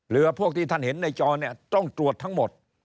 พวกที่ท่านเห็นในจอเนี่ยต้องตรวจทั้งหมด